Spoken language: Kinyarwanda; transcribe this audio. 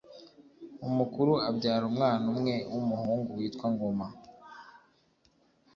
umukuru abyara umwana umwe w'umuhungu witwa Ngoma